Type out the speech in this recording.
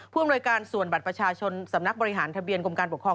อำนวยการส่วนบัตรประชาชนสำนักบริหารทะเบียนกรมการปกครอง